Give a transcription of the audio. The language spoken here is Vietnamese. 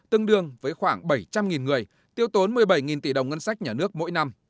tương đương với khoảng bảy trăm linh người tiêu tốn một mươi bảy tỷ đồng ngân sách nhà nước mỗi năm